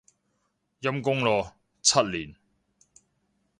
陰功咯，七年